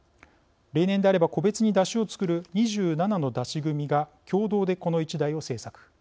例年であれば個別に山車を作る２７の山車組が共同でこの１台を製作。